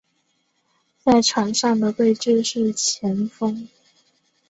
在场上的位置是前锋。